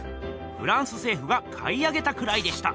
フランス政府が買い上げたくらいでした。